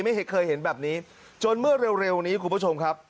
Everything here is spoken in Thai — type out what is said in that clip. ไม่เคยเห็นแบบนี้จนเมื่อเร็วนี้คุณผู้ชมครับ